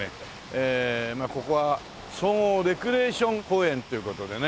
ええここは総合レクリエーション公園っていう事でね。